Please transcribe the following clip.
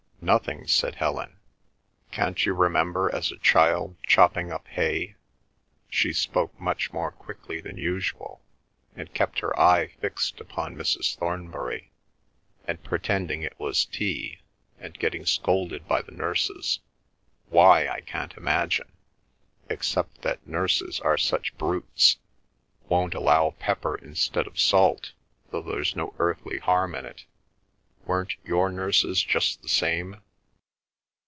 "Nothing," said Helen. "Can't you remember as a child chopping up hay—" she spoke much more quickly than usual, and kept her eye fixed upon Mrs. Thornbury, "and pretending it was tea, and getting scolded by the nurses—why I can't imagine, except that nurses are such brutes, won't allow pepper instead of salt though there's no earthly harm in it. Weren't your nurses just the same?"